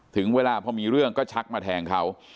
ถึงเวลาพอมีเรื่องก็ชักมาแทงเขา